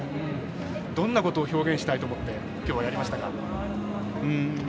どんなことを表現したいと思ってきょうはやりましたか？